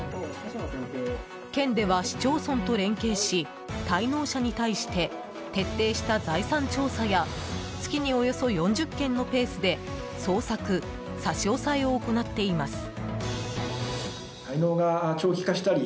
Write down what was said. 県では市町村と連携し滞納者に対して徹底した財産調査や月におよそ４０件のペースで捜索・差し押さえを行っています。